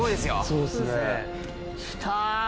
そうですねきた。